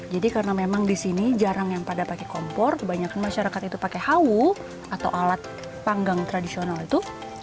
jadi karena memang di sini jarang yang pada pakai kompor kebanyakan masyarakat itu pakai hawu atau alat panggang tradisional itu